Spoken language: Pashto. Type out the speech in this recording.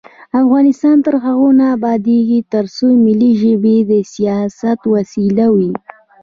افغانستان تر هغو نه ابادیږي، ترڅو ملي ژبې د سیاست وسیله وي.